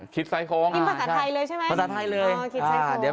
คิดภาษาไทยเลยใช่ไหม